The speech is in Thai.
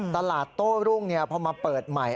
ตลาดโต้รุ่งเนี่ยพอมาเปิดใหม่